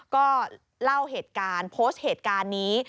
ก็เล่าเหตุการณ์โพสต์เหตุการณ์นี้